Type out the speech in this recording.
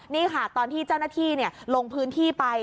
นี่ค่ะตอนที่เจ้าหน้าที่ลงพื้นที่ไป